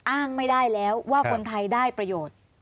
อ้างไม่ได้แล้วว่าคนไทยได้ประโยชน์